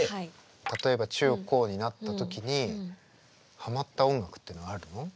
例えば中高になった時にハマった音楽っていうのはあるの？